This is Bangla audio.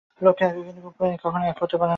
লক্ষ্য একই, কিন্তু উপায় কখনও এক হইতে পারে না।